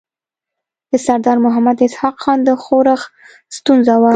د سردار محمد اسحق خان د ښورښ ستونزه وه.